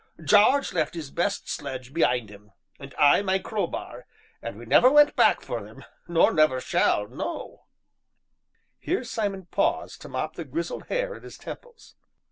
Jarge left 'is best sledge be'ind 'im, and I my crowbar, and we never went back for them, nor never shall, no." Here Simon paused to mop the grizzled hair at his temples.